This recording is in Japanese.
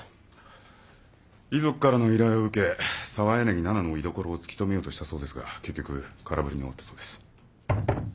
遺族からの依頼を受け澤柳菜々の居所を突き止めようとしたそうですが結局空振りに終わったそうです。